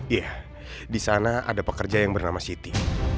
iya di sana ada pekerja yang bernama siti